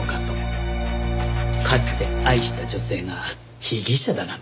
かつて愛した女性が被疑者だなんて。